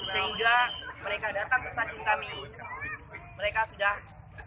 sehingga mereka datang ke stasiun kami mereka sudah